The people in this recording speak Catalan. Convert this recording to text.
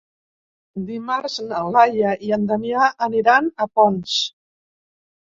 Dimarts na Laia i en Damià aniran a Ponts.